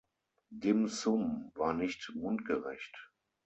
Dim Sum war nicht mundgerecht.